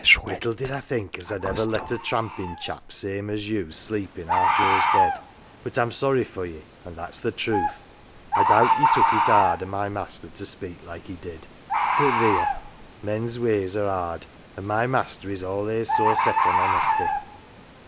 " Little did I think as Fd ever let a trampin' chap same as you sleep in our Joe's ibed. But I'm sorry for ye, an" 1 that's the truth. I doubt ye took it 'ard o' my master to speak like he did. But theer ! men's ways are 'ard, an" 1 my master is all'ays so set on honesty."